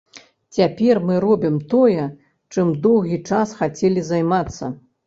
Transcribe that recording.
Цяпер мы робім тое, чым доўгі час хацелі займацца.